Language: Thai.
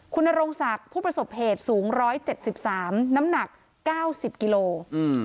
คุณนโรงศักดิ์ผู้ประสบเหตุสูง๑๗๓น้ำหนัก๙๐กิโล